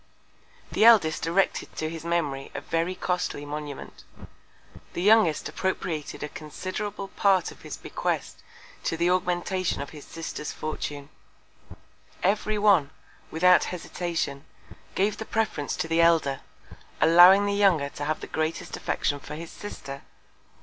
The Eldest erected to his Memory a very costly Monument: The Youngest appropriated a considerable Part of his Bequest to the Augmentation of his Sister's Fortune: Every one, without Hesitation, gave the Preference to the Elder, allowing the Younger to have the greatest Affection for his Sister.